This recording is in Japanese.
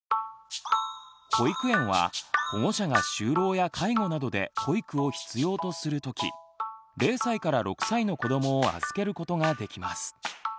保育園は保護者が就労や介護などで保育を必要とするとき０６歳の子どもを預けることができます。